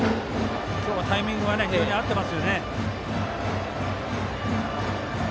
今日はタイミングが非常にあってますね。